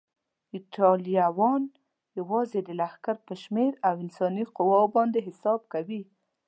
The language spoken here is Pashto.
ایټالویان یوازې د لښکر پر شمېر او انساني قواوو باندې حساب کوي.